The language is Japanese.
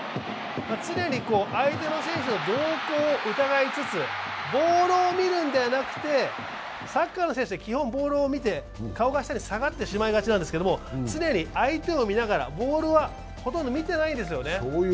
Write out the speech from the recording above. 常に相手の選手の動向を伺いつつ、ボールを見るのではなく、サッカーの選手って基本、ボールを見て顔が下に下がってしまいがちなんですが常に相手を見ながらボールはほとんど見ていないですよね。